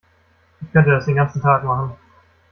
Ich könnte das den ganzen Tag machen.